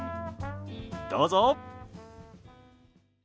どうぞ。